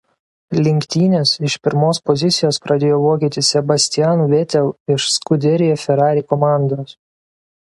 Lenktynes iš pirmos pozicijos pradėjo vokietis Sebastian Vettel iš Scuderia Ferrari komandos.